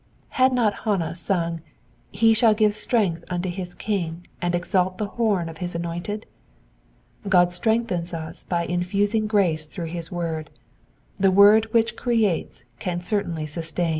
Had not Hannah sung, *^ He shall give strength unto his King, and exidt the horn of his anointed ''? God strengthens us by in fusing grace through his word : the word which creates can certainly sustam.